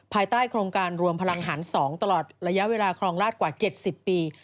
ภายใต้โครงการรวมพลังหาร๒ตลอดระยะเวลาครองราชกว่า๗๐ปี